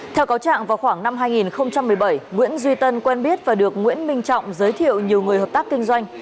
theo cáo trạng vào khoảng năm hai nghìn một mươi bảy nguyễn duy tân quen biết và được nguyễn minh trọng giới thiệu nhiều người hợp tác kinh doanh